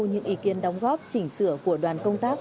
những ý kiến đóng góp chỉnh sửa của đoàn công tác